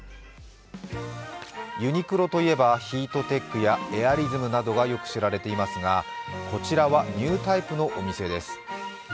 ユニクロといえばヒートテックやエアリズムなどがよく知られていますがこちらはニュータイプのお店です。